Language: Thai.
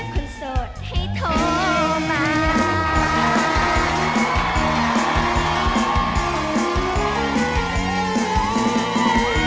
คนโสดให้โทรมา